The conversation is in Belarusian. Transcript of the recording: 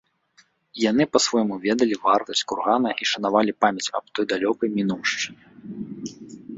І яны па-свойму ведалі вартасць кургана і шанавалі памяць аб той далёкай мінуўшчыне.